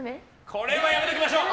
これはやめときましょう！